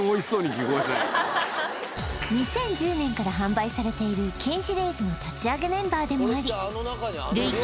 ２０１０年から販売されている金シリーズの立ち上げメンバーでもあり累計